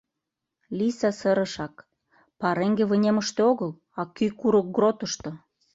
Лийса сырышак: «Пареҥге вынемыште огыл, а кӱ курык гротышто.